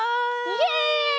イエイ！